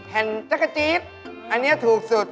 จักรจี๊ดอันนี้ถูกสุด